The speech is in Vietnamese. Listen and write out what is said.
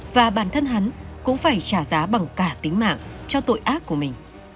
và bản thân hắn cũng phải trả giá bằng cả tính mạng cho tội ác của mình